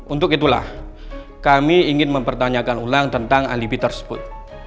untuk itulah kami ingin mempertanyakan ulang tentang alibi tersebut